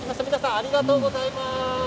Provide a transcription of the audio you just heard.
ありがとうございます。